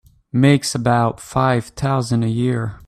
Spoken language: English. Makes about five thousand a year.